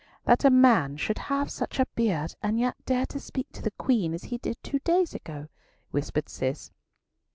"That a man should have such a beard, and yet dare to speak to the Queen as he did two days ago," whispered Cis.